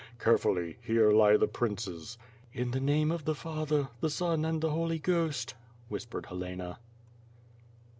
Carefully, here lie the princes." "In the name of the Father, the Son, and the Holy Ghost," whispered Helena.